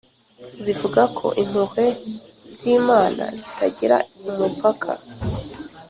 bivuga ko impuhwe z’imana zitagira umupaka,